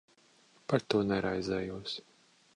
Par to neraizējos.